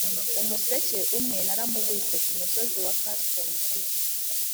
'umuseke umwe naramubuze kumusozi wa custom'd,